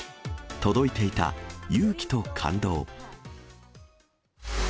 届いていた勇気と感動。